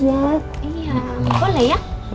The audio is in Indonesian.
iya boleh ya